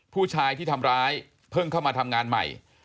ผู้ชายที่ทำร้ายเพิ่งเข้ามาทำงานใหม่